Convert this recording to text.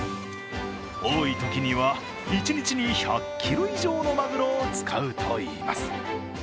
多いときには一日に１００きぐ以上のまぐろを使うといいます。